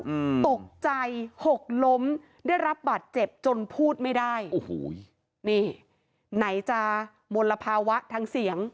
อืมตกใจหกล้มได้รับบาดเจ็บจนพูดไม่ได้โอ้โหนี่ไหนจะมลภาวะทางเสียง